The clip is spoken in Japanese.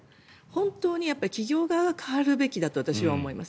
本当に企業側が変わるべきだと私は思います。